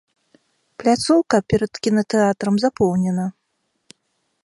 Пляцоўка перад кінатэатрам запоўнена.